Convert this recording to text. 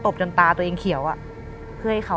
ตบจนตาตัวเองเขียวอะ